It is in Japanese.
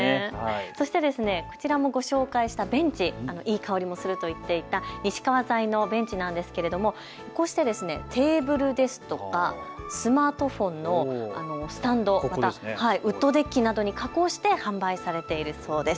そしてこちらもご紹介したベンチ、いい香りがすると言っていた西川材のベンチなんですがこうしてテーブルですとかスマートフォンのスタンド、またウッドデッキなどに加工して販売されているそうです。